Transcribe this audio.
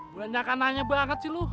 banyak yang nanya banget sih lu